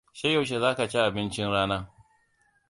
Sai yaushe za ka ci abincin rana?